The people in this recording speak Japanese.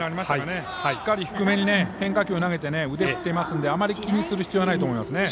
しっかり低めに変化球を投げて腕を振っていますのであまり気にする必要はないと思います。